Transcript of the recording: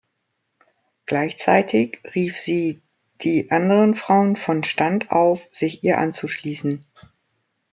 Gleichzeitig rief sie die anderen Frauen von Stand auf, sich ihr anzuschließen.